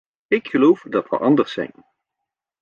Ik geloof dat we anders zijn.